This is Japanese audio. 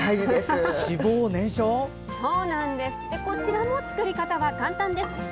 こちらも作り方は簡単です。